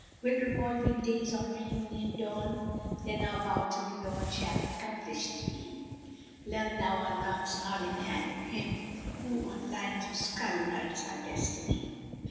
Will revolving days on Re union dawn? * Then our vow to the Lord shall accomplisht be. Learn thou our lots are in hand of Him * Who on lines of skull[FN#352] writes our destiny!"